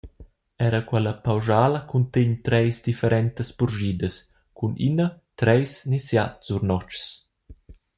Era quella pauschala cuntegn treis differentas purschidas cun ina, treis ni siat surnotgs.